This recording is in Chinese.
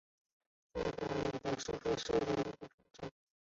弗里德贝格是德国黑森州的一个市镇。